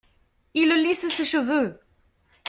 Il lisse ses cheveux.